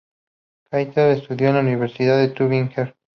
Kittel estudió en la Universidad Tübingen.